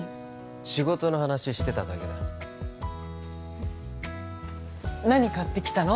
仕事の話してただけだ何買ってきたの？